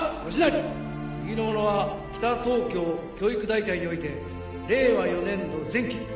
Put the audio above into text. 右の者は北東京教育大隊において令和四年度前期